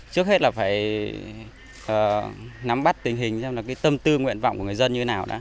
trước hết là phải nắm bắt tình hình xem là cái tâm tư nguyện vọng của người dân